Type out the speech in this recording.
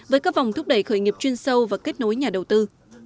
với các vòng thúc đẩy khởi nghiệp chuyên sâu và kết nối nhà đầu tư